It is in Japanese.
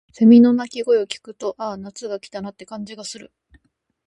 蝉の鳴き声を聞くと、「ああ、夏が来たな」って感じがする。